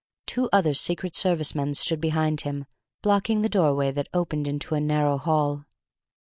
Two other Secret Service men stood behind him, blocking the doorway that opened into a narrow hall.